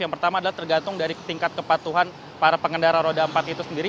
yang pertama adalah tergantung dari tingkat kepatuhan para pengendara roda empat itu sendiri